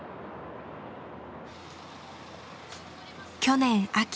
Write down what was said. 去年秋。